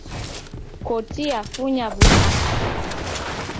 Koti yafunya w'utanyi.